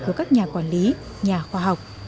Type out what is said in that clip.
của các nhà quản lý nhà khoa học